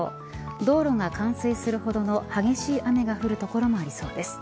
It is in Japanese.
道路が冠水するほどの激しい雨が降る所もありそうです。